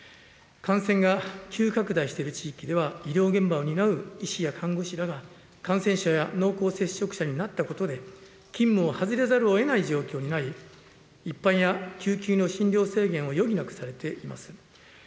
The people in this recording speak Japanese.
感染が急拡大している地域では医療現場を担う医師や看護師らが、感染者や濃厚接触者になったことで、勤務を外れざるをえない状況になり、一般や救急の診療制限を余儀なくされています。